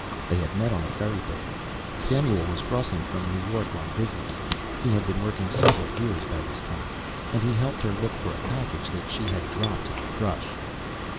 They had met on a ferry boat. Samuel was crossing from New York on business (he had been working several years by this time) and he helped her look for a package that she had dropped in the crush.